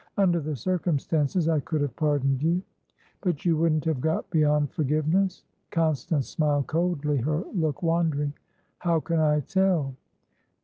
"Under the circumstances, I could have pardoned you." "But you wouldn't have got beyond forgiveness?" Constance smiled coldly, her look wandering. "How can I tell?"